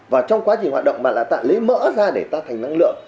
và trong quá trình hoạt động mà ta lấy mỡ ra để ta thành năng lượng